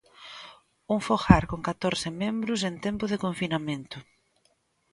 Un fogar con catorce membros en tempo de confinamento.